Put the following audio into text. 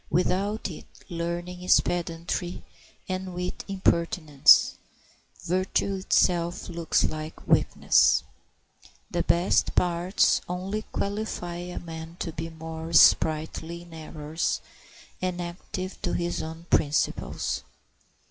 Without it learning is pedantry and wit impertinence; virtue itself looks like weakness. The best parts only qualify a man to be more sprightly in errors and active to his own principles.